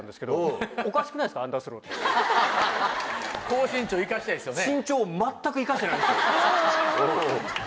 高身長生かしたいですよね。